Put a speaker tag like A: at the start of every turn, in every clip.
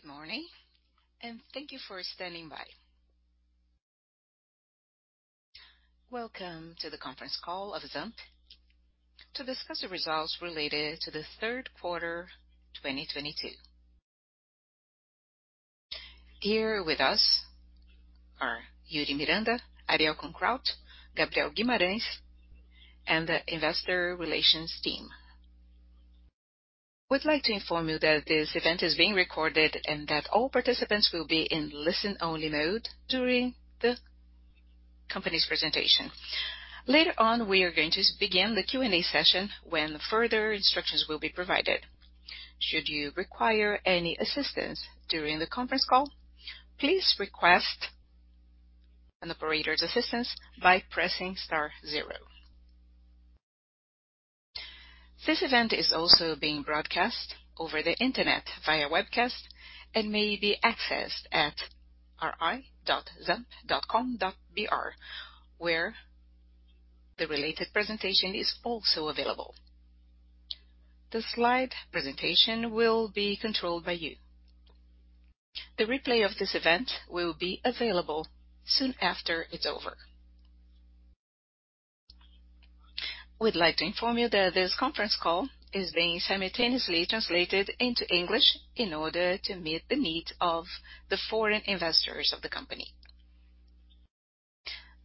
A: Good morning, and thank you for standing by. Welcome to the conference call of ZAMP to discuss the results related to the third quarter 2022. Here with us are Iuri Miranda, Ariel Grunkraut, Gabriel Guimarães, and the investor relations team. We'd like to inform you that this event is being recorded and that all participants will be in listen-only mode during the company's presentation. Later on, we are going to begin the Q&A session when further instructions will be provided. Should you require any assistance during the conference call, please request an operator's assistance by pressing star zero. This event is also being broadcast over the Internet via webcast and may be accessed at ri.zamp.com.br, where the related presentation is also available. The slide presentation will be controlled by you. The replay of this event will be available soon after it's over. We'd like to inform you that this conference call is being simultaneously translated into English in order to meet the needs of the foreign investors of the company.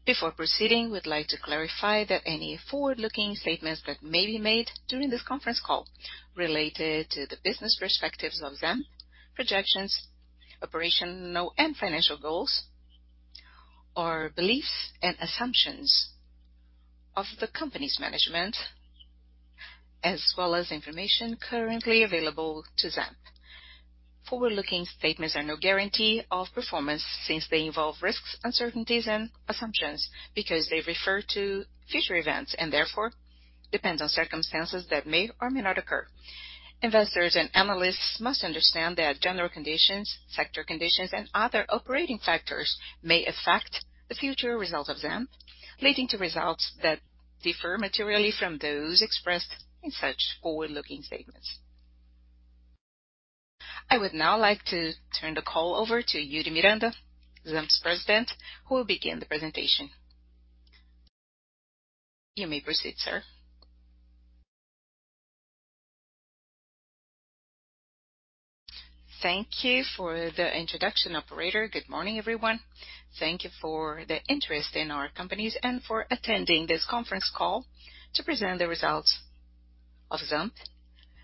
A: Before proceeding, we'd like to clarify that any forward-looking statements that may be made during this conference call related to the business perspectives of ZAMP, projections, operational and financial goals, or beliefs and assumptions of the company's management, as well as information currently available to ZAMP. Forward-looking statements are no guarantee of performance since they involve risks, uncertainties and assumptions because they refer to future events and therefore depends on circumstances that may or may not occur. Investors and analysts must understand that general conditions, sector conditions and other operating factors may affect the future results of ZAMP, leading to results that differ materially from those expressed in such forward-looking statements. I would now like to turn the call over to Iuri Miranda, ZAMP's President, who will begin the presentation. You may proceed, sir.
B: Thank you for the introduction, operator. Good morning, everyone. Thank you for the interest in our companies and for attending this conference call to present the results of ZAMP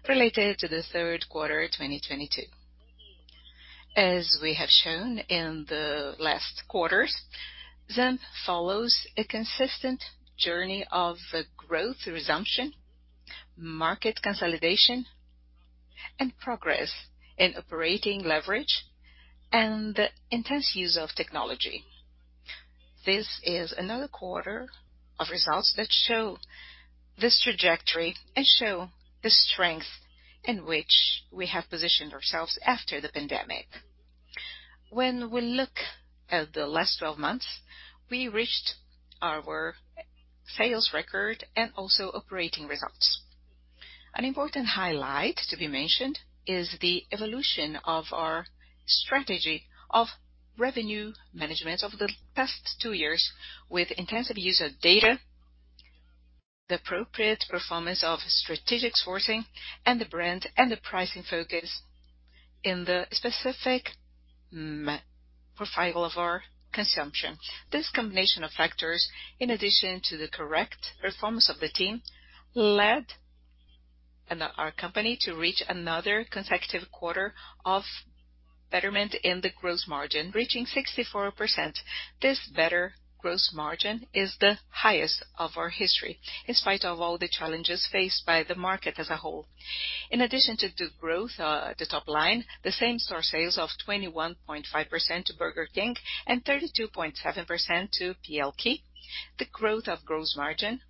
B: related to the third quarter 2022. As we have shown in the last quarters, ZAMP follows a consistent journey of growth resumption, market consolidation and progress in operating leverage and intense use of technology. This is another quarter of results that show this trajectory and show the strength in which we have positioned ourselves after the pandemic. When we look at the last 12 months, we reached our sales record and also operating results. An important highlight to be mentioned is the evolution of our strategy of revenue management over the past two years with intensive use of data, the appropriate performance of strategic sourcing and the brand and the pricing focus in the specific profile of our consumption. This combination of factors, in addition to the correct performance of the team, led our company to reach another consecutive quarter of betterment in the gross margin, reaching 64%. This better gross margin is the highest of our history, in spite of all the challenges faced by the market as a whole. In addition to the growth, the top line, the same-store sales of 21.5% to Burger King and 32.7% to PLK, the growth of gross margin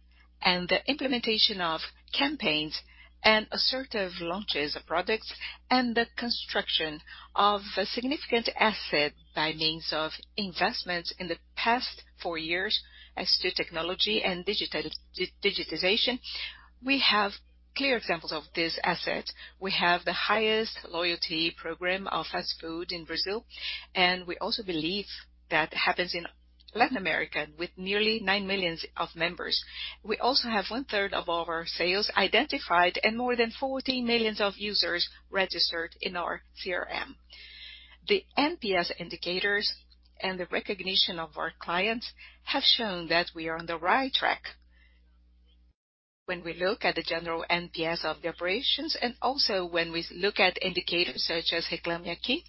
B: and the implementation of campaigns and assertive launches of products and the construction of a significant asset by means of investments in the past four years as to technology and digital digitization. We have clear examples of this asset. We have the highest loyalty program of fast food in Brazil, and we also believe that happens in Latin America with nearly 9 million members. We also have one-third of all our sales identified and more than 14 million users registered in our CRM. The NPS indicators and the recognition of our clients have shown that we are on the right track when we look at the general NPS of the operations and also when we look at indicators such as Reclame Aqui,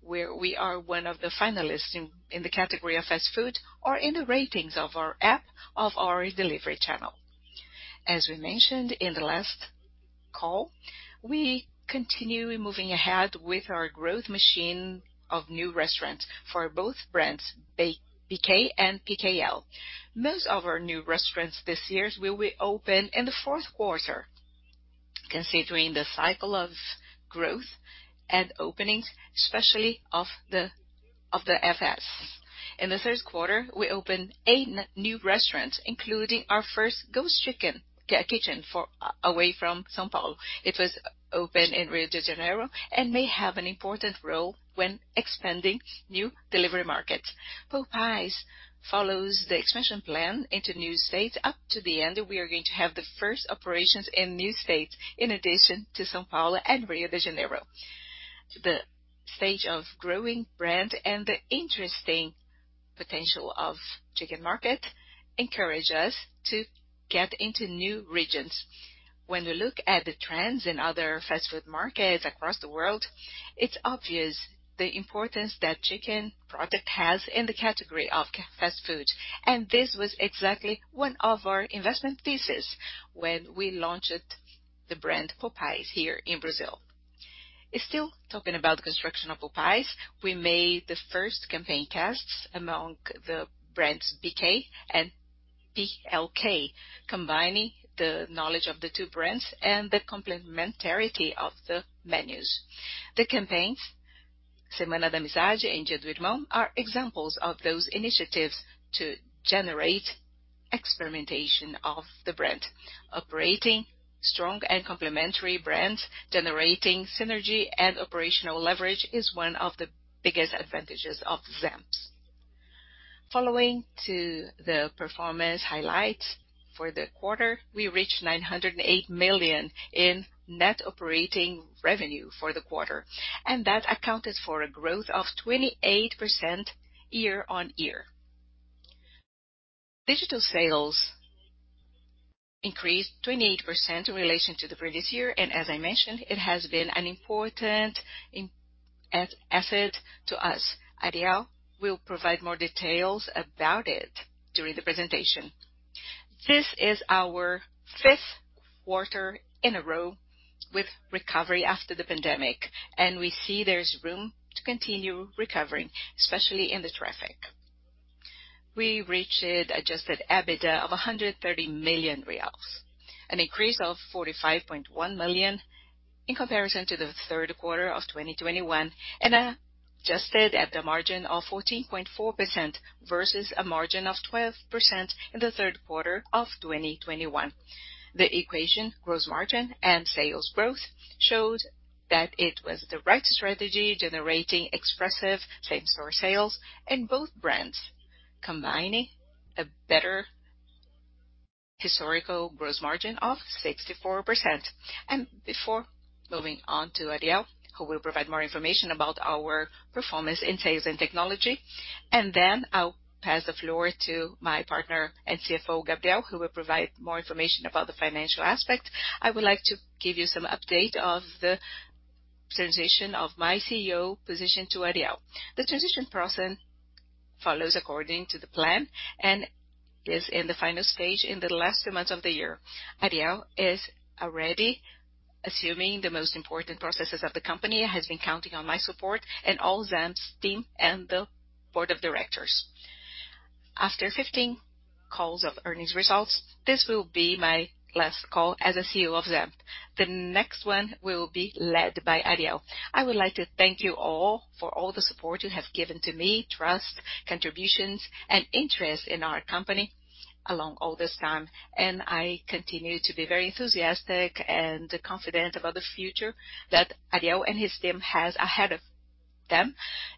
B: where we are one of the finalists in the category of fast food or in the ratings of our app, of our delivery channel. As we mentioned in the last call, we continue moving ahead with our growth machine of new restaurants for both brands, BK and PLK. Most of our new restaurants this year will be open in the fourth quarter, considering the cycle of growth and openings, especially of the freestanding. In the third quarter, we opened eight new restaurants, including our first ghost kitchen for PLK away from São Paulo. It was opened in Rio de Janeiro and may have an important role when expanding new delivery markets. Popeyes follows the expansion plan into new states up to the end, we are going to have the first operations in new states in addition to São Paulo and Rio de Janeiro. The stage of growing brand and the interesting potential of chicken market encourage us to get into new regions. When we look at the trends in other fast food markets across the world, it's obvious the importance that chicken product has in the category of fast food. This was exactly one of our investment thesis when we launched the brand Popeyes here in Brazil. Still talking about the construction of Popeyes, we made the first campaign tests among the brands BK and PLK, combining the knowledge of the two brands and the complementarity of the menus. The campaigns, Semana da Amizade and Dia do Irmão, are examples of those initiatives to generate experimentation of the brand. Operating strong and complementary brands, generating synergy and operational leverage is one of the biggest advantages of ZAMP's. Following to the performance highlights for the quarter, we reached 908 million in net operating revenue for the quarter, and that accounted for a growth of 28% year-on-year. Digital sales increased 28% in relation to the previous year, and as I mentioned, it has been an important asset to us. Ariel will provide more details about it during the presentation. This is our fifth quarter in a row with recovery after the pandemic, and we see there's room to continue recovering, especially in the traffic. We reached adjusted EBITDA of BRL 130 million, an increase of 45.1 million in comparison to the third quarter of 2021, and adjusted EBITDA margin of 14.4% versus a margin of 12% in the third quarter of 2021. The combination of gross margin and sales growth shows that it was the right strategy, generating impressive same-store sales in both brands, combining a better historical gross margin of 64%. Before moving on to Ariel, who will provide more information about our performance in sales and technology, then I'll pass the floor to my partner and CFO, Gabriel, who will provide more information about the financial aspect. I would like to give you some update of the transition of my CEO position to Ariel. The transition process follows according to the plan and is in the final stage in the last two months of the year. Ariel is already assuming the most important processes of the company, has been counting on my support and all ZAMP's team and the Board of Directors. After 15 calls of earnings results, this will be my last call as a CEO of ZAMP. The next one will be led by Ariel. I would like to thank you all for all the support you have given to me, trust, contributions, and interest in our company along all this time. I continue to be very enthusiastic and confident about the future that Ariel and his team has ahead of them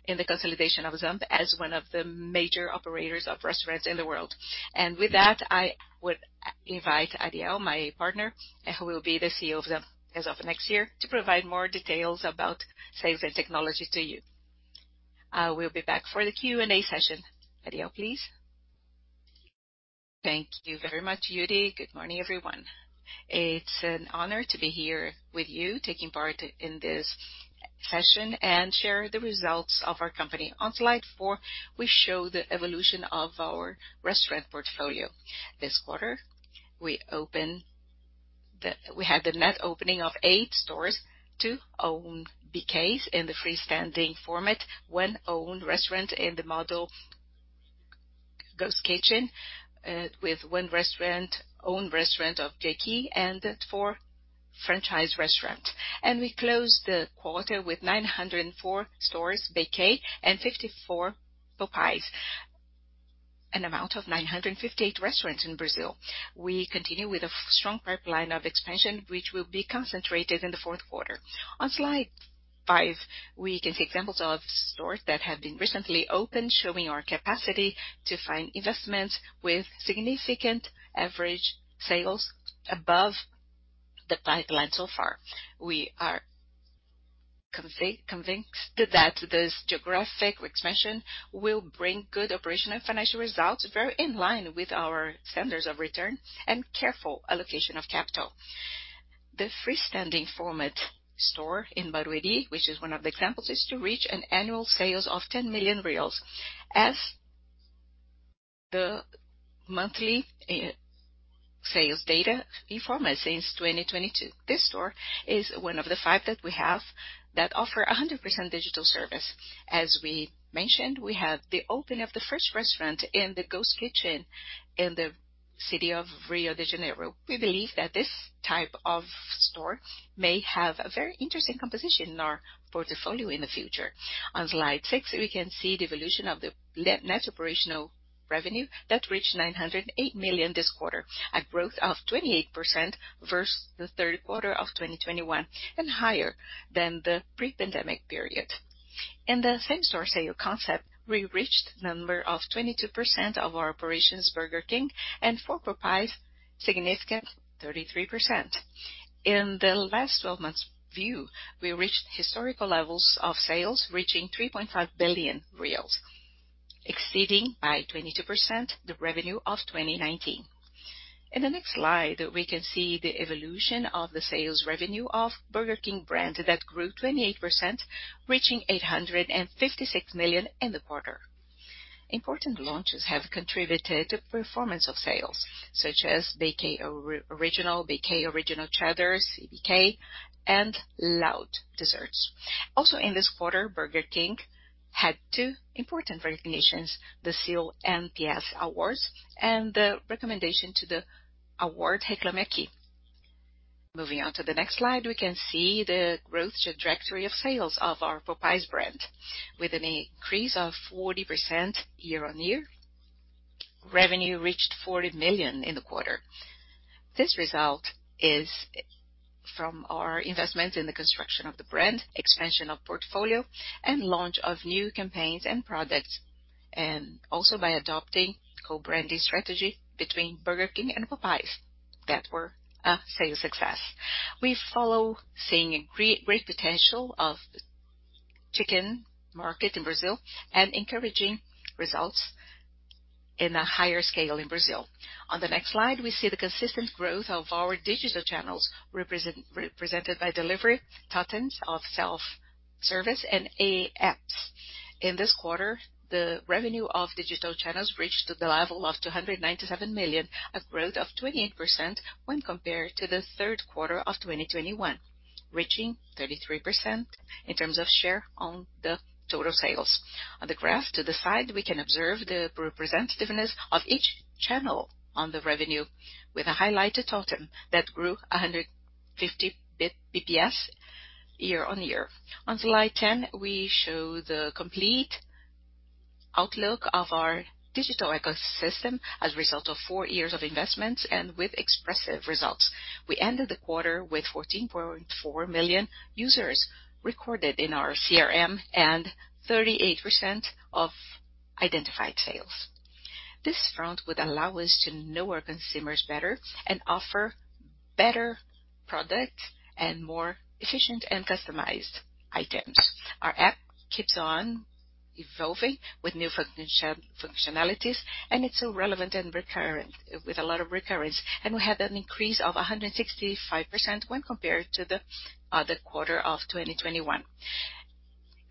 B: in the consolidation of ZAMP as one of the major operators of restaurants in the world. With that, I would invite Ariel, my partner, and who will be the CEO of ZAMP as of next year to provide more details about sales and technology to you. I will be back for the Q&A session. Ariel, please.
C: Thank you very much, Iuri. Good morning, everyone. It's an honor to be here with you taking part in this session and share the results of our company. On slide four, we show the evolution of our restaurant portfolio. This quarter, we had the net opening of eight stores: two own BKs in the freestanding format, one own restaurant in the model ghost kitchen, with one own restaurant of BK, and four franchise restaurant. We closed the quarter with 904 stores, BK, and 54 Popeyes, an amount of 958 restaurants in Brazil. We continue with a strong pipeline of expansion, which will be concentrated in the fourth quarter. On slide five, we can see examples of stores that have been recently opened, showing our capacity to find investments with significant average sales above the pipeline so far. We are convinced that this geographic expansion will bring good operational and financial results very in line with our standards of return and careful allocation of capital. The freestanding format store in Barueri, which is one of the examples, is to reach annual sales of 10 million reais as the monthly sales data performance since 2022. This store is one of the five that we have that offer 100% digital service. We mentioned the opening of the first restaurant in the ghost kitchen in the city of Rio de Janeiro. We believe that this type of store may have a very interesting composition in our portfolio in the future. On slide six, we can see the evolution of the net operational revenue that reached 908 million this quarter, a growth of 28% versus the third quarter of 2021, and higher than the pre-pandemic period. In the same-store sales concept, we reached number of 22% of our operations Burger King and for Popeyes, significant 33%. In the last 12-month view, we reached historical levels of sales reaching 3.5 billion reais, exceeding by 22% the revenue of 2019. In the next slide, we can see the evolution of the sales revenue of Burger King brand that grew 28%, reaching 856 million in the quarter. Important launches have contributed to performance of sales such as BK Original, BK Original Cheddar, CBK and Loud Desserts. Also in this quarter, Burger King had two important recognitions, the Seal NPS Awards and the recommendation to the award Reclame Aqui. Moving on to the next slide, we can see the growth trajectory of sales of our Popeyes brand with an increase of 40% year-on-year. Revenue reached 40 million in the quarter. This result is from our investments in the construction of the brand, expansion of portfolio and launch of new campaigns and products, and also by adopting co-branding strategy between Burger King and Popeyes that were a sales success. We continue seeing a great potential of chicken market in Brazil and encouraging results on a larger scale in Brazil. On the next slide, we see the consistent growth of our digital channels represented by delivery, totems of self-service and apps. In this quarter, the revenue of digital channels reached to the level of 297 million, a growth of 28% when compared to the third quarter of 2021, reaching 33% in terms of share on the total sales. On the graph to the side, we can observe the representativeness of each channel on the revenue with a highlighted totem that grew 150 bps year-on-year. On slide 10, we show the complete outlook of our digital ecosystem as a result of four years of investments and with expressive results. We ended the quarter with 14.4 million users recorded in our CRM and 38% of identified sales. This front would allow us to know our consumers better and offer better products and more efficient and customized items. Our app keeps on evolving with new functionalities, and it's relevant and recurrent with a lot of recurrence. We had an increase of 165% when compared to the quarter of 2021.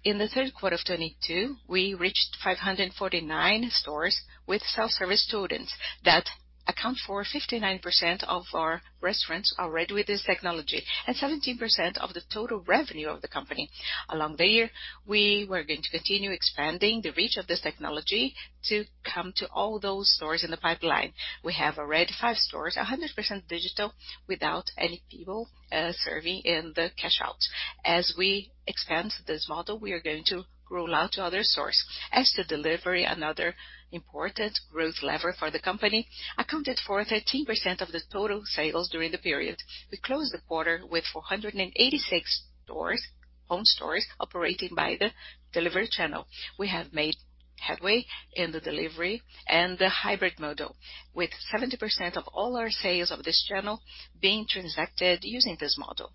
C: In the third quarter of 2022, we reached 549 stores with self-service totems. That accounts for 59% of our restaurants already with this technology and 17% of the total revenue of the company. Along the year, we were going to continue expanding the reach of this technology to come to all those stores in the pipeline. We have already five stores, 100% digital without any people serving in the cash outs. As we expand this model, we are going to roll out to other stores. As to delivery, another important growth lever for the company accounted for 13% of the total sales during the period. We closed the quarter with 486 stores, home stores operating by the delivery channel. We have made headway in the delivery and the hybrid model, with 70% of all our sales of this channel being transacted using this model,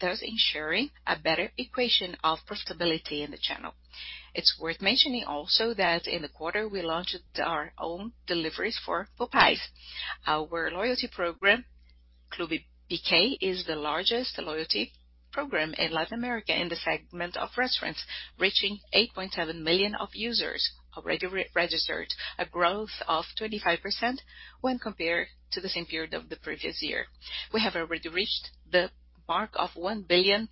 C: thus ensuring a better equation of profitability in the channel. It's worth mentioning also that in the quarter, we launched our own deliveries for Popeyes. Our loyalty program, Clube BK, is the largest loyalty program in Latin America in the segment of restaurants, reaching 8.7 million of users already re-registered, a growth of 25% when compared to the same period of the previous year. We have already reached the mark of 1 billion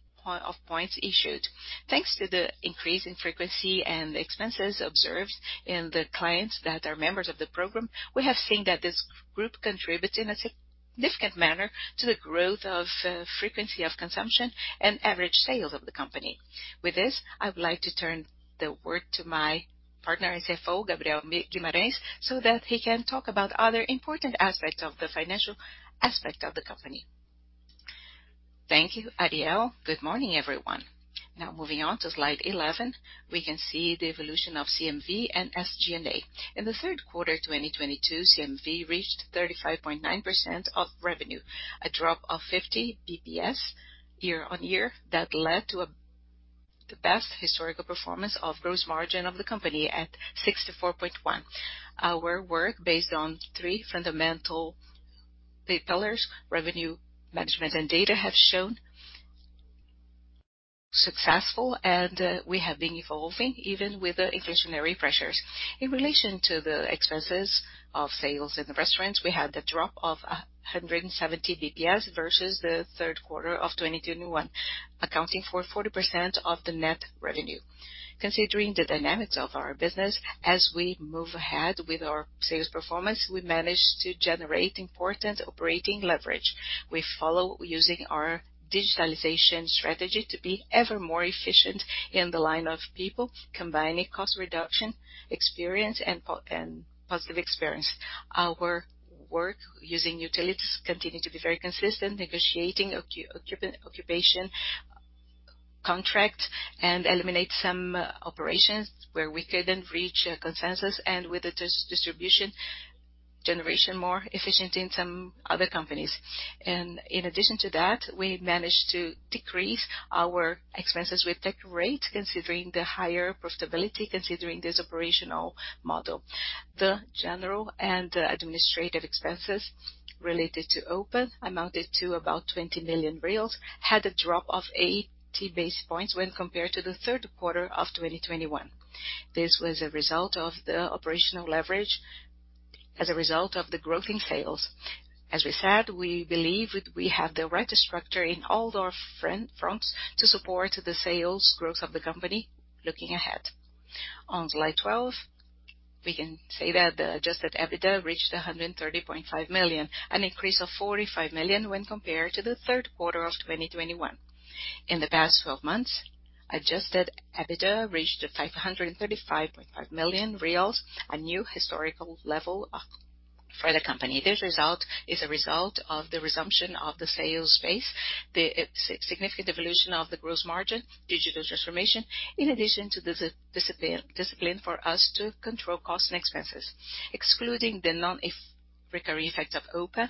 C: points issued. Thanks to the increase in frequency and the expenses observed in the clients that are members of the program, we have seen that this group contributes in a significant manner to the growth of frequency of consumption and average sales of the company. With this, I would like to turn the word to my partner and CFO, Gabriel Guimarães, so that he can talk about other important aspects of the financial aspect of the company.
D: Thank you, Ariel. Good morning, everyone. Now moving on to slide 11, we can see the evolution of CMV and SG&A. In the third quarter 2022, CMV reached 35.9% of revenue, a drop of 50 BPS year-on-year that led to the best historical performance of gross margin of the company at 64.1%. Our work based on three fundamental pillars, revenue management and data have shown successful and we have been evolving even with the inflationary pressures. In relation to the expenses of sales in the restaurants, we had a drop of 170 BPS versus the third quarter of 2021, accounting for 40% of the net revenue. Considering the dynamics of our business as we move ahead with our sales performance, we managed to generate important operating leverage. We follow using our digitalization strategy to be ever more efficient in the line of people combining cost reduction, experience and positive experience. Our work using utilities continue to be very consistent, negotiating occupation contract and eliminate some operations where we couldn't reach a consensus and with the distribution generation more efficient in some other companies. In addition to that, we managed to decrease our expenses with tech rate considering the higher profitability, considering this operational model. The general and administrative expenses related to OPI amounted to about 20 million reais, had a drop of 80 basis points when compared to the third quarter of 2021. This was a result of the operational leverage as a result of the growth in sales. As we said, we believe we have the right structure in all our fronts to support the sales growth of the company looking ahead. On slide 12, we can say that the adjusted EBITDA reached 130.5 million, an increase of 45 million when compared to the third quarter of 2021. In the past 12 months, adjusted EBITDA reached 535.5 million reais, a new historical level for the company. This result is a result of the resumption of the sales space, the significant evolution of the gross margin, digital transformation, in addition to the discipline for us to control costs and expenses. Excluding the non-recurring effect of OPI,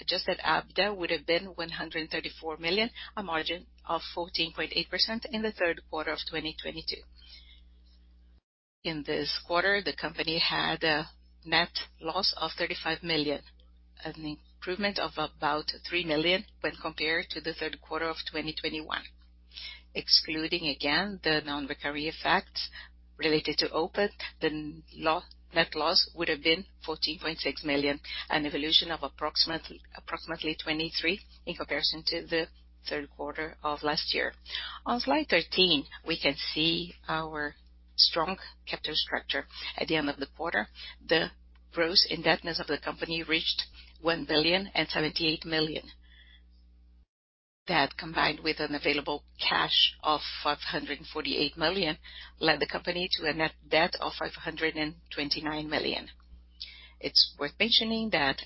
D: adjusted EBITDA would have been 134 million, a margin of 14.8% in the third quarter of 2022. In this quarter, the company had a net loss of 35 million, an improvement of about 3 million when compared to the third quarter of 2021. Excluding again the non-recurring effects related to OPI, the net loss would have been 14.6 million, an evolution of approximately 23 in comparison to the third quarter of last year. On slide 13, we can see our strong capital structure. At the end of the quarter, the gross indebtedness of the company reached 1,078 million. That, combined with an available cash of 548 million, led the company to a net debt of 529 million. It's worth mentioning that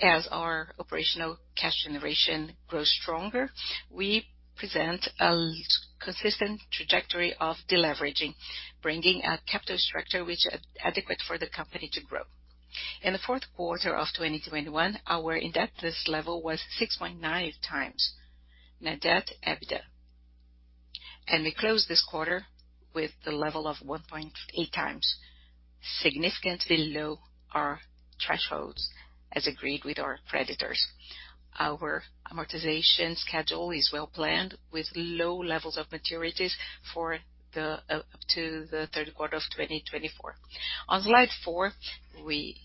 D: as our operational cash generation grows stronger, we present a consistent trajectory of deleveraging, bringing a capital structure which is adequate for the company to grow. In the fourth quarter of 2021, our indebtedness level was 6.9x net debt EBITDA. We closed this quarter with the level of 1.8x, significantly below our thresholds as agreed with our creditors. Our amortization schedule is well-planned with low levels of maturities for the up to the third quarter of 2024. On slide four, we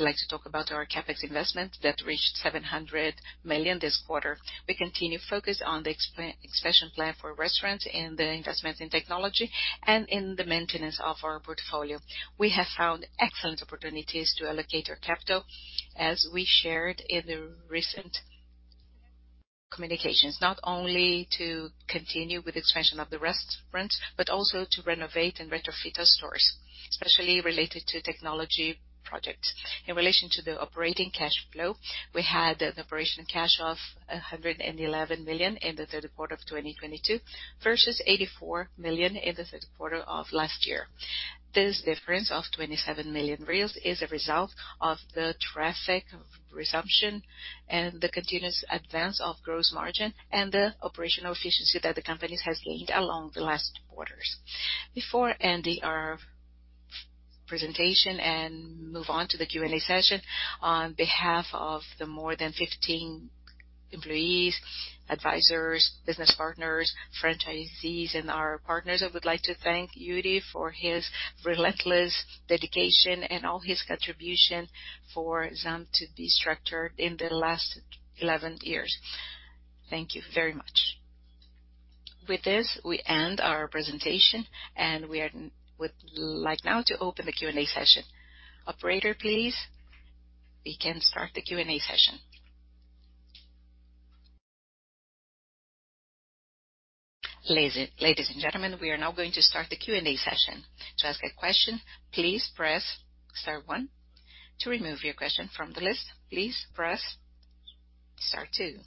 D: like to talk about our CapEx investment that reached 700 million this quarter. We continue to focus on the expansion plan for restaurants and the investments in technology and in the maintenance of our portfolio. We have found excellent opportunities to allocate our capital, as we shared in the recent communications, not only to continue with expansion of the restaurants, but also to renovate and retrofit our stores, especially related to technology projects. In relation to the operating cash flow, we had an operating cash of BRL 111 million in the third quarter of 2022 versus BRL 84 million in the third quarter of last year. This difference of 27 million is a result of the traffic resumption and the continuous advance of gross margin and the operational efficiency that the company has gained along the last quarters. Before ending our presentation and move on to the Q&A session, on behalf of the more than 15 employees, advisors, business partners, franchisees and our partners, I would like to thank Iuri for his relentless dedication and all his contribution for ZAMP to be structured in the last 11 years. Thank you very much. With this, we end our presentation, and would like now to open the Q&A session. Operator, please, we can start the Q&A session.
A: Ladies and gentlemen, we are now going to start the Q&A session. To ask a question, please press star one. To remove your question from the list, please press star two.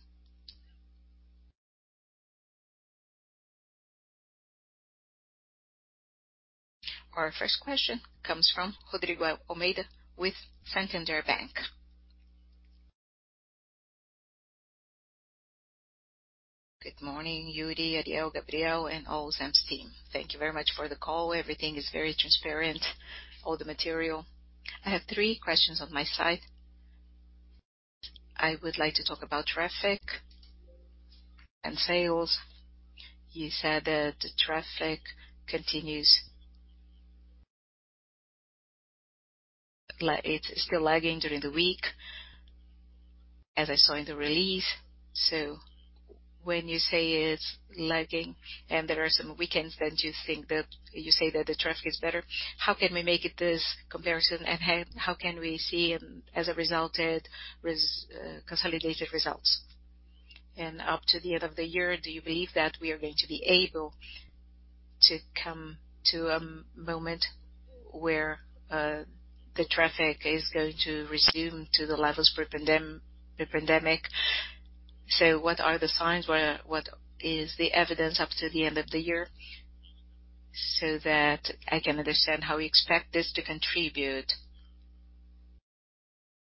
A: Our first question comes from Rodrigo Almeida with Santander Bank.
E: Good morning, Iuri, Ariel, Gabriel, and all ZAMP's team. Thank you very much for the call. Everything is very transparent, all the material. I have three questions on my side. I would like to talk about traffic and sales. You said that the traffic continues. It's still lagging during the week, as I saw in the release. When you say it's lagging and there are some weekends that you think that you say that the traffic is better, how can we make this comparison, and how can we see as a result the consolidated results? Up to the end of the year, do you believe that we are going to be able to come to a moment where the traffic is going to resume to the levels pre-pandemic? What are the signs? What is the evidence up to the end of the year so that I can understand how we expect this to contribute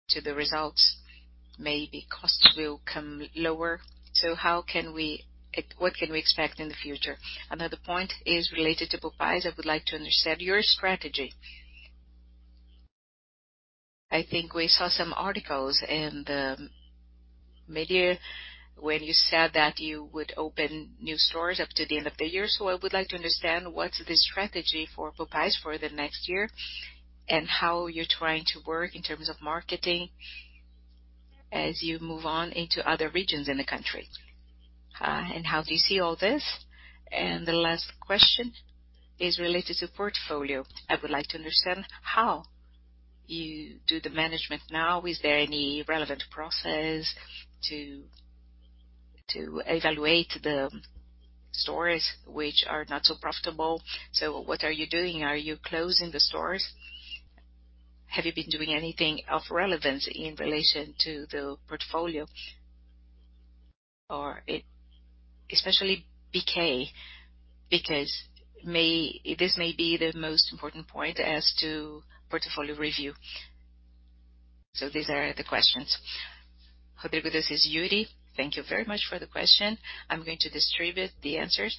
E: to the results? Maybe costs will come lower. What can we expect in the future? Another point is related to Popeyes. I would like to understand your strategy. I think we saw some articles in the media when you said that you would open new stores up to the end of the year. I would like to understand what's the strategy for Popeyes for the next year and how you're trying to work in terms of marketing as you move on into other regions in the country. And how do you see all this? The last question is related to portfolio. I would like to understand how you do the management now. Is there any relevant process to evaluate the stores which are not so profitable? What are you doing? Are you closing the stores? Have you been doing anything of relevance in relation to the portfolio? Especially BK, because this may be the most important point as to portfolio review. These are the questions.
B: Rodrigo, this is Iuri. Thank you very much for the question. I'm going to distribute the answers.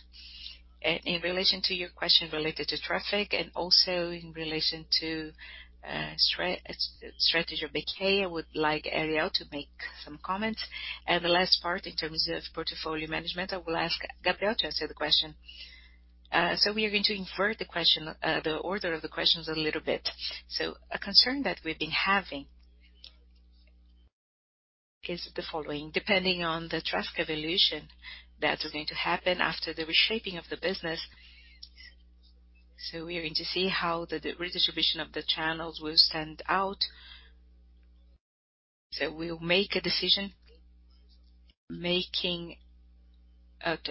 B: In relation to your question related to traffic and also in relation to strategy of BK, I would like Ariel to make some comments. The last part, in terms of portfolio management, I will ask Gabriel to answer the question. We are going to invert the question, the order of the questions a little bit. A concern that we've been having is the following, depending on the traffic evolution that is going to happen after the reshaping of the business, so we are going to see how the redistribution of the channels will stand out. We'll make a decision, looking at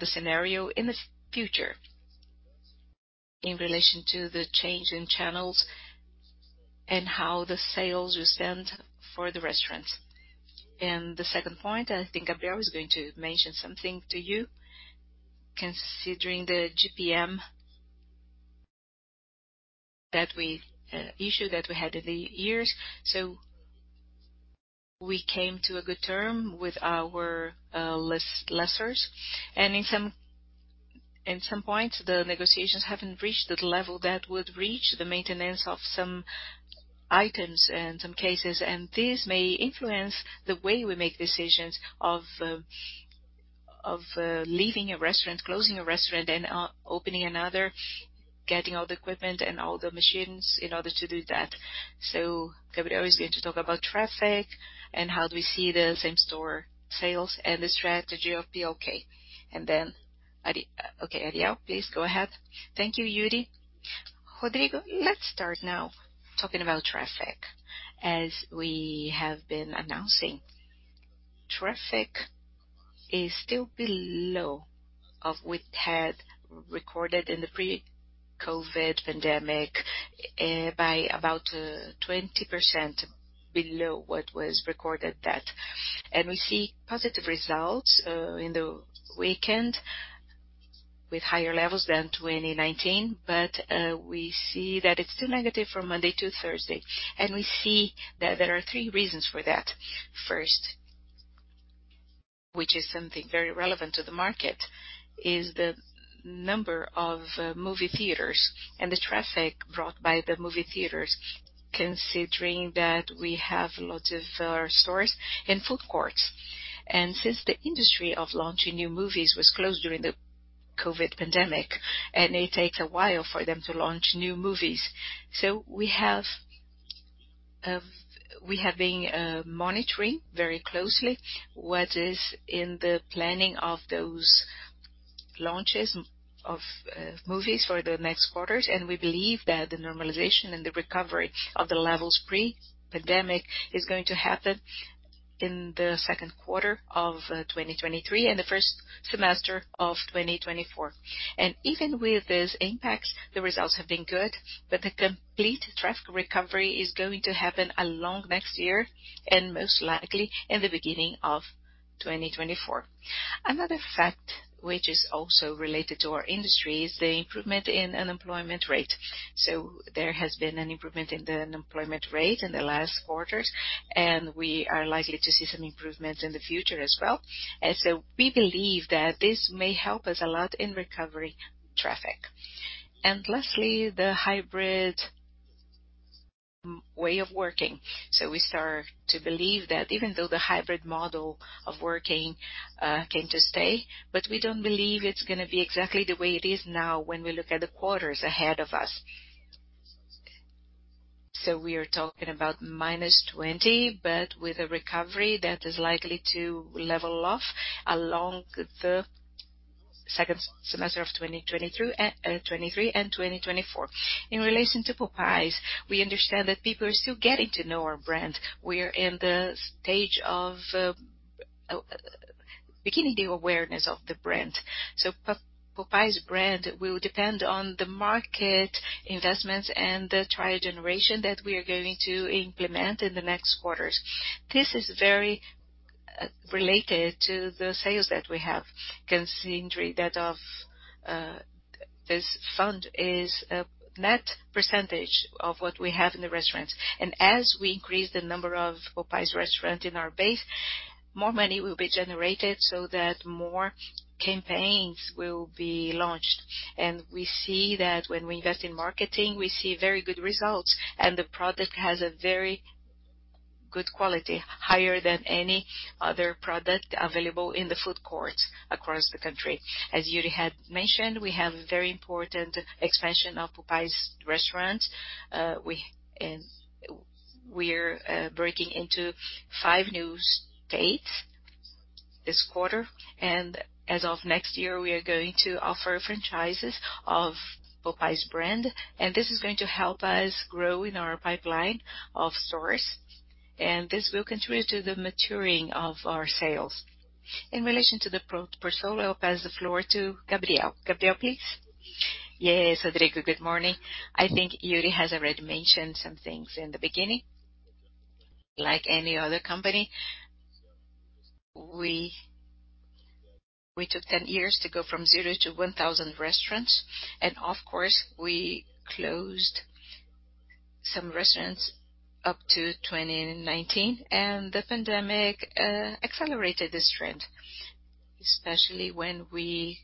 B: the scenario in the future in relation to the change in channels and how the sales will stand for the restaurants. The second point, I think Gabriel is going to mention something to you considering the IGP-M issues that we had in the years. We came to a good terms with our lessors. In some points, the negotiations haven't reached the level that would reach the maintenance of some items and some cases. This may influence the way we make decisions of leaving a restaurant, closing a restaurant and opening another, getting all the equipment and all the machines in order to do that. Gabriel is going to talk about traffic and how do we see the same-store sales and the strategy of the OK. Okay, Ariel, please go ahead.
C: Thank you, Iuri. Rodrigo, let's start now talking about traffic. As we have been announcing, traffic is still below of what had recorded in the pre-COVID pandemic, by about 20% below what was recorded that. We see positive results in the weekend with higher levels than 2019. We see that it's still negative from Monday to Thursday. We see that there are three reasons for that. First, which is something very relevant to the market, is the number of movie theaters and the traffic brought by the movie theaters, considering that we have a lot of our stores in food courts. Since the industry of launching new movies was closed during the COVID pandemic, and it takes a while for them to launch new movies. We have been monitoring very closely what is in the planning of those launches of movies for the next quarters. We believe that the normalization and the recovery of the levels pre-pandemic is going to happen in the second quarter of 2023 and the first semester of 2024. Even with these impacts, the results have been good. The complete traffic recovery is going to happen along next year and most likely in the beginning of 2024. Another fact which is also related to our industry is the improvement in unemployment rate. There has been an improvement in the unemployment rate in the last quarters, and we are likely to see some improvements in the future as well. We believe that this may help us a lot in recovery traffic. Lastly, the hybrid way of working. We start to believe that even though the hybrid model of working came to stay, but we don't believe it's gonna be exactly the way it is now when we look at the quarters ahead of us. We are talking about -20%, but with a recovery that is likely to level off along the second semester of 2020 through 2023 and 2024. In relation to Popeyes, we understand that people are still getting to know our brand. We are in the stage of beginning the awareness of the brand. Popeyes brand will depend on the market investments and the trial generation that we are going to implement in the next quarters. This is very related to the sales that we have, considering that of this fund is a net percentage of what we have in the restaurant. As we increase the number of Popeyes restaurants in our base, more money will be generated so that more campaigns will be launched. We see that when we invest in marketing, we see very good results, and the product has a very good quality, higher than any other product available in the food courts across the country. As Iuri had mentioned, we have a very important expansion of Popeyes restaurants. We're breaking into five new states this quarter. As of next year, we are going to offer franchises of Popeyes brand, and this is going to help us grow in our pipeline of stores, and this will contribute to the maturing of our sales. In relation to the portfolio, I'll pass the floor to Gabriel. Gabriel, please.
D: Yes, Rodrigo, good morning. I think Iuri has already mentioned some things in the beginning. Like any other company, we took 10 years to go from zero to 1,000 restaurants. Of course, we closed some restaurants up to 2019, and the pandemic accelerated this trend, especially when we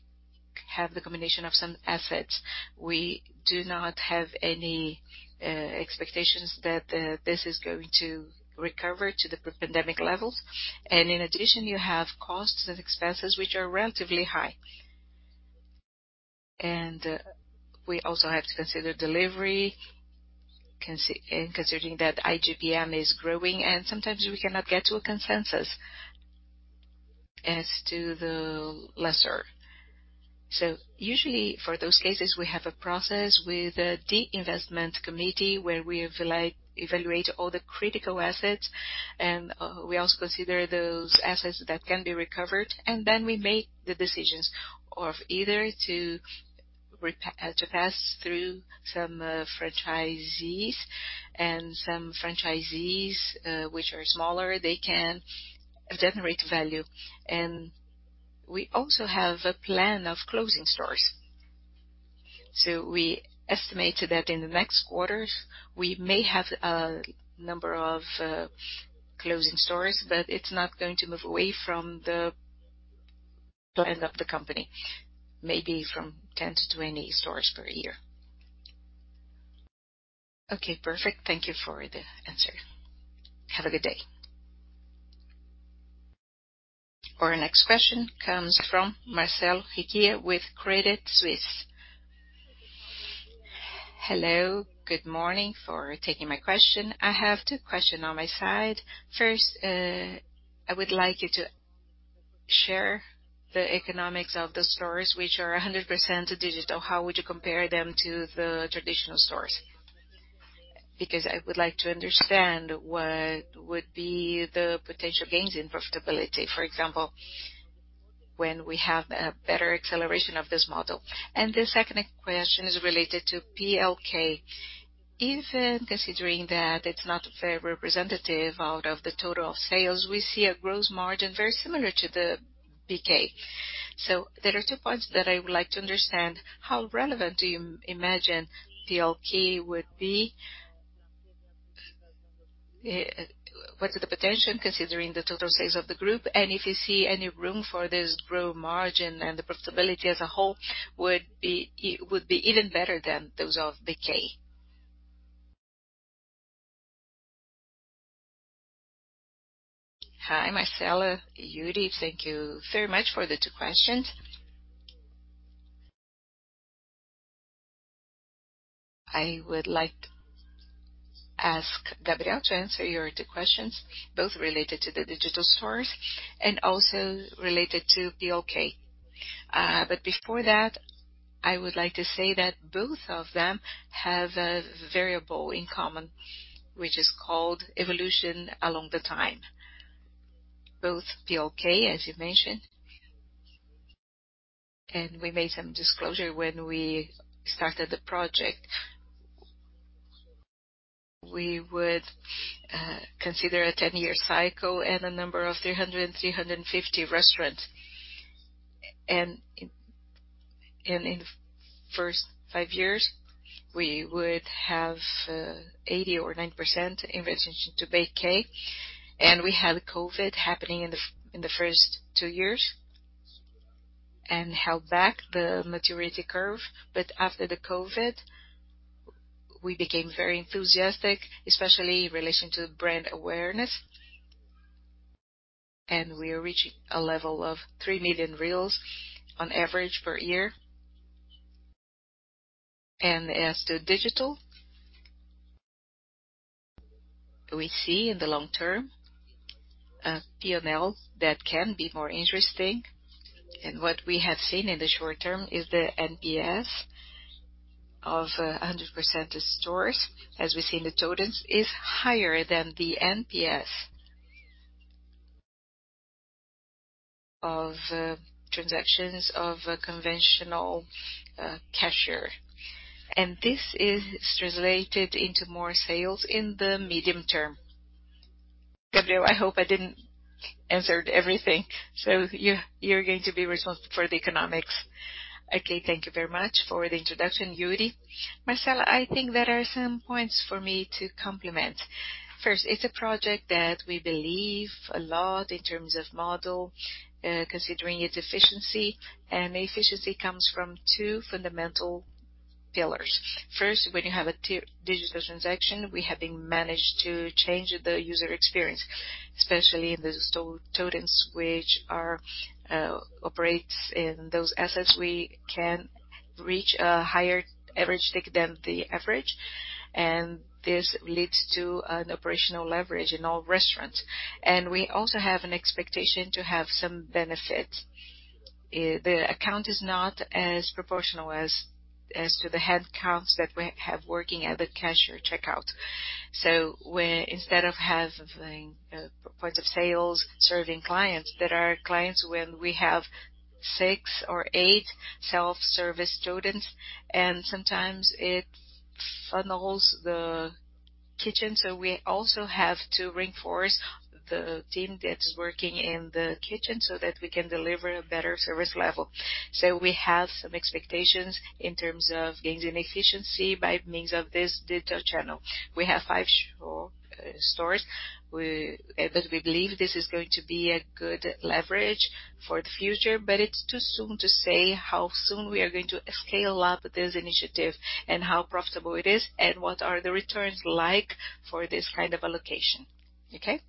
D: have the combination of some assets. We do not have any expectations that this is going to recover to the pre-pandemic levels. In addition, you have costs and expenses which are relatively high. We also have to consider delivery, considering that IGP-M is growing, and sometimes we cannot get to a consensus as to the lessor. Usually for those cases, we have a process with a divestment committee where we evaluate all the critical assets, and we also consider those assets that can be recovered. We make the decisions of either to pass through some franchisees, which are smaller, they can generate value. We also have a plan of closing stores. We estimated that in the next quarters, we may have a number of closing stores, but it's not going to move away from the plan of the company. Maybe 10-20 stores per year.
E: Okay, perfect. Thank you for the answer. Have a good day.
A: Our next question comes from Marcella Recchia with Credit Suisse.
F: Hello, good morning. Thank you for taking my question. I have two questions on my side. First, I would like you to share the economics of the stores which are 100% digital. How would you compare them to the traditional stores? Because I would like to understand what would be the potential gains in profitability, for example, when we have a better acceleration of this model. The second question is related to PLK. Even considering that it's not very representative of the total sales, we see a gross margin very similar to the BK. There are two points that I would like to understand. How relevant do you imagine PLK would be? What is the potential considering the total sales of the group? If you see any room for this gross margin and the profitability as a whole would be would be even better than those of BK.
B: Hi, Marcella. Iuri. Thank you very much for the two questions. I would like to ask Gabriel to answer your two questions, both related to the digital stores and also related to PLK. Before that, I would like to say that both of them have a variable in common, which is called evolution over time. Both PLK, as you mentioned, and we made some disclosure when we started the project. We would consider a ten-year cycle and a number of 300-350 restaurants. In the first five years we would have 80%-90% in relation to BK. We had COVID happening in the first two years and held back the maturity curve. After the COVID, we became very enthusiastic, especially in relation to brand awareness. We are reaching a level of 3 million on average per year. As to digital, we see in the long-term a P&L that can be more interesting. What we have seen in the short-term is the NPS of 100% of stores, as we see in the totems, is higher than the NPS of transactions of a conventional cashier. This is translated into more sales in the medium term. Gabriel, I hope I didn't answer everything. You, you're going to be responsible for the economics.
D: Okay. Thank you very much for the introduction, Iuri. Marcella, I think there are some points for me to complement. First, it's a project that we believe a lot in terms of model, considering its efficiency. The efficiency comes from two fundamental pillars. First, when you have a self-digital transaction, we have managed to change the user experience, especially in the self-totems, which are operates in those assets. We can reach a higher average ticket than the average, and this leads to an operational leverage in all restaurants. We also have an expectation to have some benefit. The cost is not as proportional as to the headcounts that we have working at the cashier checkout. Instead of having points of sales serving clients that are clients when we have six or eight self-service totems, and sometimes it funnels the kitchen. We also have to reinforce the team that is working in the kitchen so that we can deliver a better service level. We have some expectations in terms of gains in efficiency by means of this digital channel. We have five show stores. We believe this is going to be a good leverage for the future, but it's too soon to say how soon we are going to scale up this initiative and how profitable it is, and what are the returns like for this kind of allocation. Okay?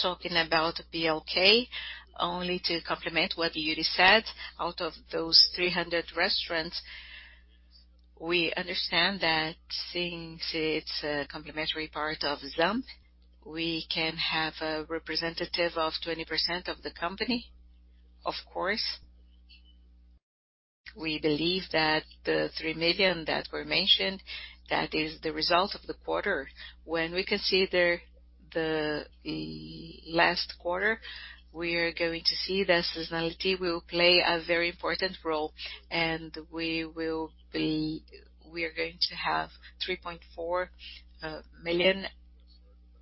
D: Talking about BK, only to complement what Iuri said. Out of those 300 restaurants, we understand that since it's a complementary part of ZAMP, we can have a representative of 20% of the company, of course. We believe that the 3 million that were mentioned, that is the result of the quarter. When we consider the last quarter, we are going to see that seasonality will play a very important role, and we are going to have 3.4 million,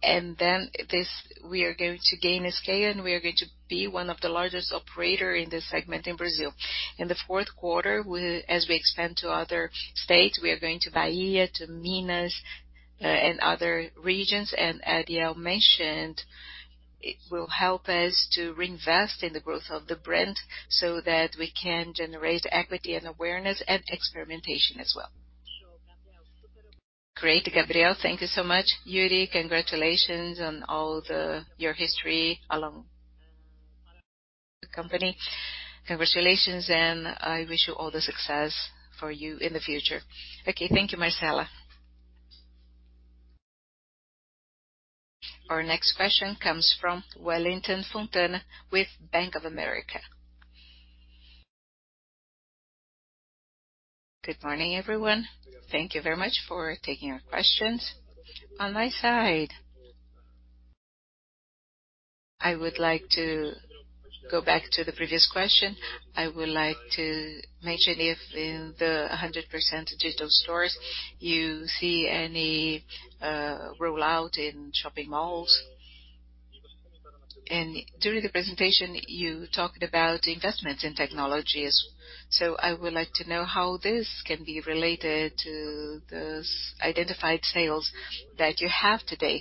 D: and then this, we are going to gain scale, and we are going to be one of the largest operator in this segment in Brazil. In the fourth quarter, as we expand to other states, we are going to Bahia, to Minas, and other regions. Ariel mentioned it will help us to reinvest in the growth of the brand so that we can generate equity and awareness and experimentation as well.
F: Great, Gabriel. Thank you so much. Iuri, congratulations on your history along the company. Congratulations, and I wish you all the success for you in the future.
B: Okay. Thank you, Marcella.
A: Our next question comes from Wellington Santana with Bank of America.
G: Good morning, everyone. Thank you very much for taking our questions. On my side, I would like to go back to the previous question. I would like to mention if in the 100% digital stores you see any rollout in shopping malls. During the presentation, you talked about investments in technologies. I would like to know how this can be related to those identified sales that you have today.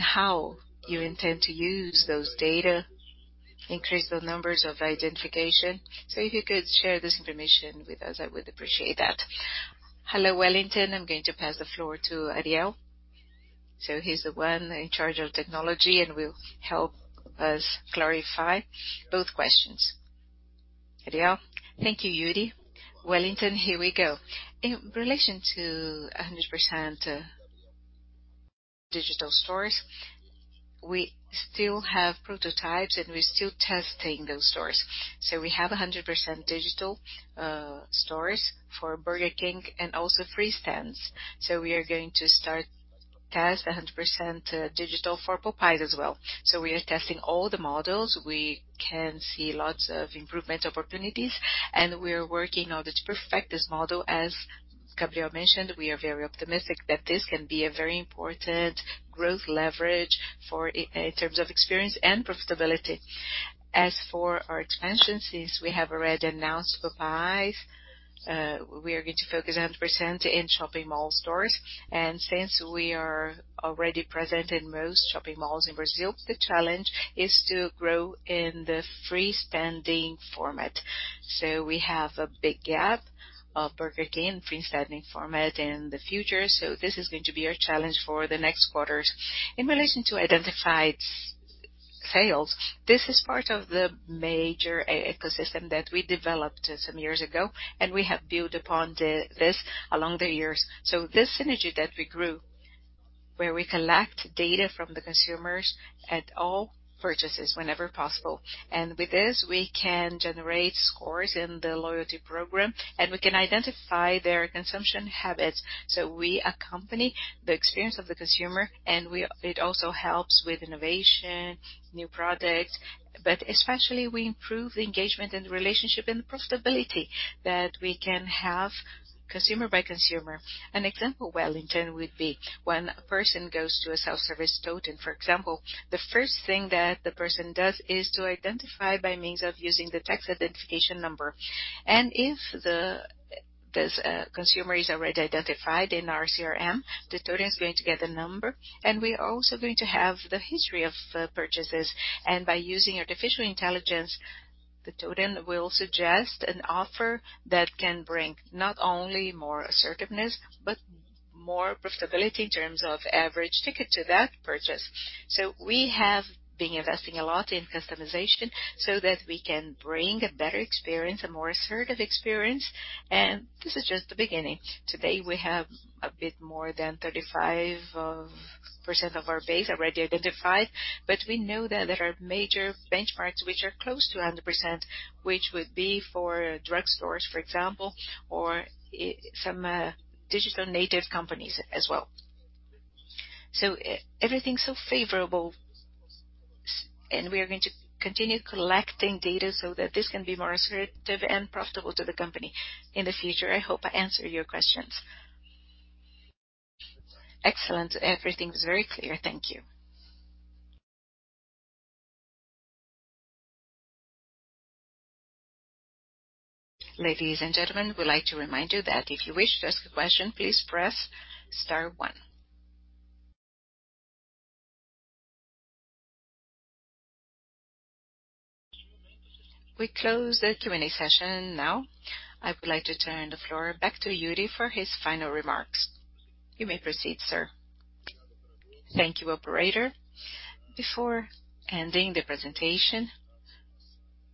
G: How you intend to use those data, increase the numbers of identification. If you could share this information with us, I would appreciate that.
B: Hello, Wellington. I'm going to pass the floor to Ariel. He's the one in charge of technology and will help us clarify both questions. Ariel?
C: Thank you, Iuri. Wellington, here we go. In relation to 100% digital stores, we still have prototypes, and we're still testing those stores. We have 100% digital stores for Burger King and also freestanding. We are going to start to test 100% digital for Popeyes as well. We are testing all the models. We can see lots of improvement opportunities, and we are working on to perfect this model as Gabriel mentioned. We are very optimistic that this can be a very important growth lever for in terms of experience and profitability. As for our expansion, since we have already announced Popeyes, we are going to focus 100% on shopping mall stores. Since we are already present in most shopping malls in Brazil, the challenge is to grow in the freestanding format. We have a big gap of Burger King freestanding format in the future. This is going to be our challenge for the next quarters. In relation to identified sales, this is part of the major ecosystem that we developed some years ago, and we have built upon this along the years. This synergy that we grew, where we collect data from the consumers at all purchases whenever possible, and with this, we can generate scores in the loyalty program, and we can identify their consumption habits. We accompany the experience of the consumer and it also helps with innovation, new products. Especially we improve the engagement and relationship and profitability that we can have consumer by consumer. An example, Wellington, would be when a person goes to a self-service totem, for example, the first thing that the person does is to identify by means of using the tax identification number. If this consumer is already identified in our CRM, the totem is going to get the number, and we're also going to have the history of purchases. By using artificial intelligence, the totem will suggest an offer that can bring not only more assertiveness, but more profitability in terms of average ticket to that purchase. We have been investing a lot in customization so that we can bring a better experience, a more assertive experience. This is just the beginning. Today, we have a bit more than 35% of our base already identified, but we know that there are major benchmarks which are close to 100%, which would be for drugstores, for example, or some digital native companies as well. Everything's so favorable, and we are going to continue collecting data so that this can be more assertive and profitable to the company in the future. I hope I answered your questions.
G: Excellent. Everything was very clear. Thank you.
A: Ladies and gentlemen, we'd like to remind you that if you wish to ask a question, please press star one. We close the Q&A session now. I would like to turn the floor back to Iuri for his final remarks. You may proceed, sir.
B: Thank you, operator. Before ending the presentation,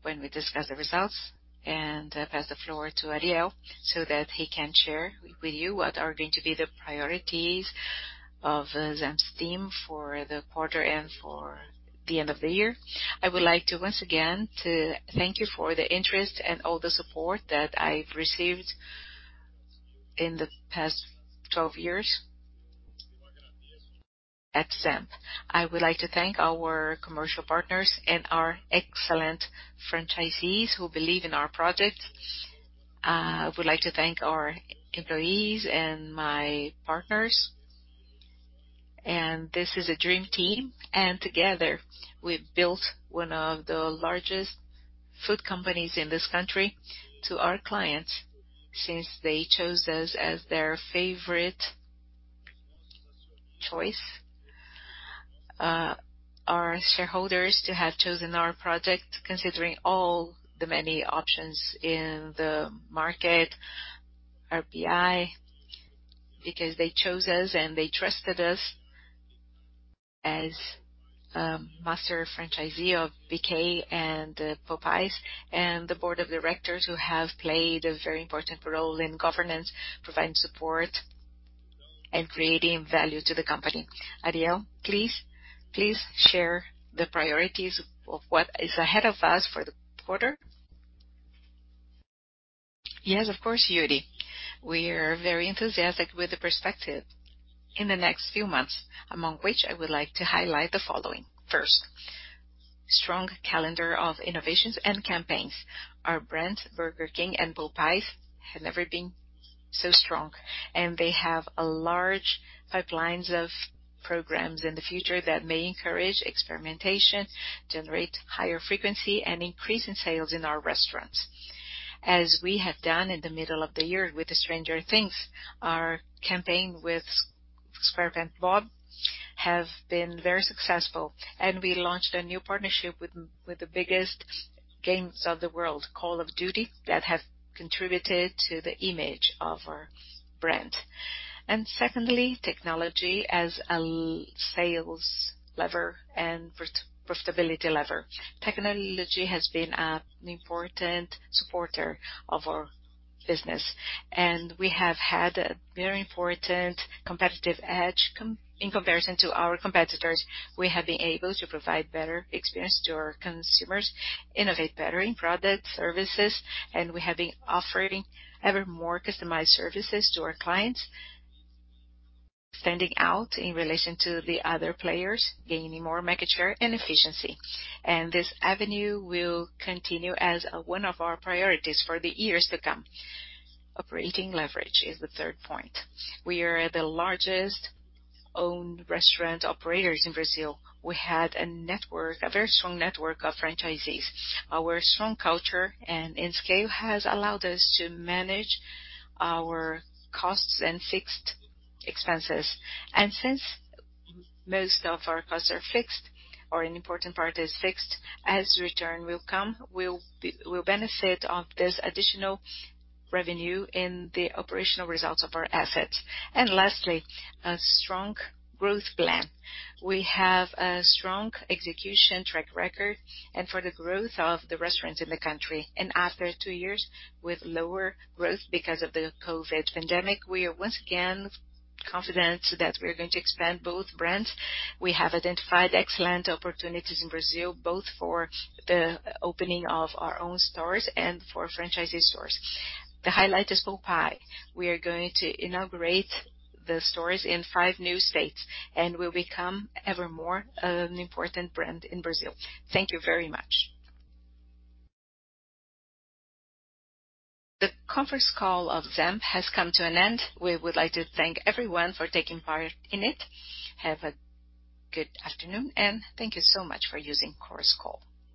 B: when we discuss the results and pass the floor to Ariel so that he can share with you what are going to be the priorities of ZAMP's team for the quarter and for the end of the year. I would like to once again thank you for the interest and all the support that I've received in the past 12 years at ZAMP. I would like to thank our commercial partners and our excellent franchisees who believe in our project. I would like to thank our employees and my partners. This is a dream team. Together, we've built one of the largest food companies in this country. To our clients, since they chose us as their favorite choice. Our shareholders to have chosen our project considering all the many options in the market. RBI, because they chose us and they trusted us as master franchisee of BK and Popeyes, and the board of directors who have played a very important role in governance, providing support and creating value to the company. Ariel, please share the priorities of what is ahead of us for the quarter.
C: Yes, of course, Iuri. We are very enthusiastic with the perspective in the next few months, among which I would like to highlight the following. First, strong calendar of innovations and campaigns. Our brands, Burger King and Popeyes, have never been so strong, and they have a large pipelines of programs in the future that may encourage experimentation, generate higher frequency, and increase in sales in our restaurants. As we have done in the middle of the year with Stranger Things, our campaign with SpongeBob SquarePants has been very successful, and we launched a new partnership with the biggest games of the world, Call of Duty, that has contributed to the image of our brand. Secondly, technology as a sales lever and profitability lever. Technology has been an important supporter of our business, and we have had a very important competitive edge in comparison to our competitors. We have been able to provide better experience to our consumers, innovate better in product, services, and we have been offering ever more customized services to our clients, standing out in relation to the other players, gaining more market share and efficiency. This avenue will continue as one of our priorities for the years to come. Operating leverage is the third point. We are the largest owned restaurant operators in Brazil. We had a network, a very strong network of franchisees. Our strong culture and scale has allowed us to manage our costs and fixed expenses. Since most of our costs are fixed or an important part is fixed, as return will come, we'll benefit of this additional revenue in the operational results of our assets. Lastly, a strong growth plan. We have a strong execution track record and for the growth of the restaurants in the country. After two years with lower growth because of the COVID pandemic, we are once again confident that we are going to expand both brands. We have identified excellent opportunities in Brazil, both for the opening of our own stores and for franchisee stores. The highlight is Popeyes. We are going to inaugurate the stores in five new states and will become ever more an important brand in Brazil. Thank you very much.
A: The conference call of ZAMP has come to an end. We would like to thank everyone for taking part in it. Have a good afternoon, and thank you so much for using Chorus Call.